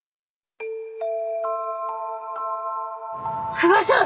久我さん！